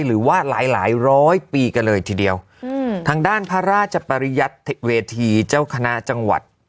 หรือว่าหลายหลายร้อยปีกันเลยทีเดียวอืมทางด้านพระราชปริยัติเวทีเจ้าคณะจังหวัด